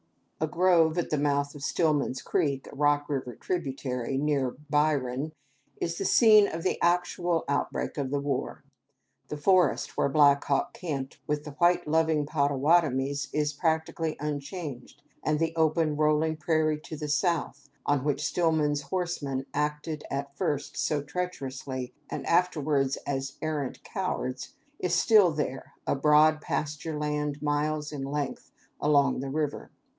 A grove at the mouth of Stillman's Creek, a Rock River tributary, near Byron, is the scene of the actual outbreak of the war. The forest where Black Hawk camped with the white loving Pottawattomies is practically unchanged, and the open, rolling prairie to the south on which Stillman's horsemen acted at first so treacherously, and afterwards as arrant cowards is still there, a broad pasture land miles in length, along the river.